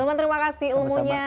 ah ilman terima kasih umumnya